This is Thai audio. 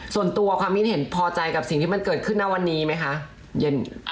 ส่วนตัวความคิดเห็นพอใจกับสิ่งที่มันเกิดขึ้นนะวันนี้ไหมคะ